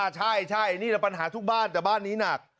ใช่นี่แหละปัญหาทุกบ้านแต่บ้านนี้หนัก